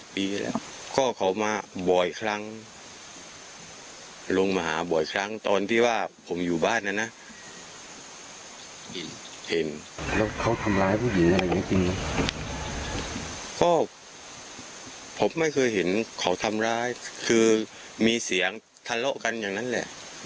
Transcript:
ผมไม่เคยเห็นเขาทำร้ายคือมีเสียงทะเลาะกันอย่างนั้นแหละ